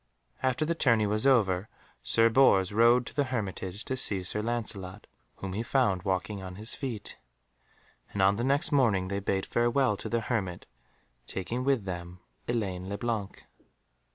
After the tourney was over, Sir Bors rode to the hermitage to see Sir Lancelot, whom he found walking on his feet, and on the next morning they bade farewell to the hermit, taking with them Elaine le Blanc.